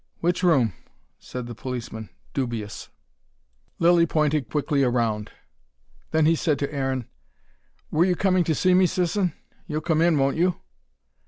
"Which room?" said the policeman, dubious. Lilly pointed quickly round. Then he said to Aaron: "Were you coming to see me, Sisson? You'll come in, won't you?"